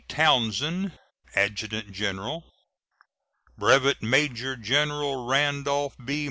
Townsend, Adjutant General; Brevet Major General Randolph B.